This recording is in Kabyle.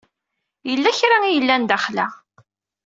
Yella kra i yellan daxel-a.